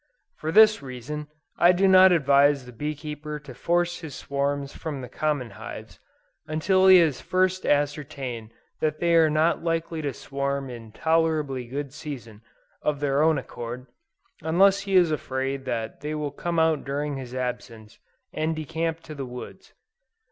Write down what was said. For this reason, I do not advise the bee keeper to force his swarms from the common hives, until he has first ascertained that they are not likely to swarm in tolerably good season, of their own accord, unless he is afraid that they will come out during his absence, and decamp to the woods.